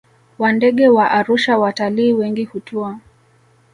wa ndege wa Arusha Watalii wengi hutua